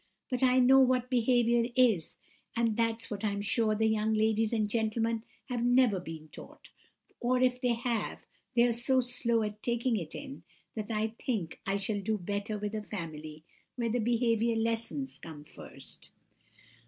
But I know what behaviour is, and that's what I'm sure the young ladies and gentlemen have never been taught; or if they have, they're so slow at taking it in, that I think I shall do better with a family where the behaviour lessons come first!